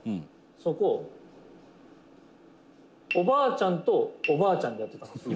「そこ、おばあちゃんとおばあちゃんでやってたんですよ」